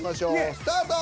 スタート！